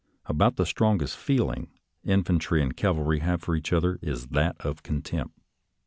About the strongest feeling infantry and cavalry have for each other is that of contempt.